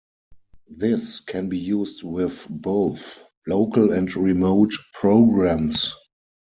This can be used with both local and remote programs.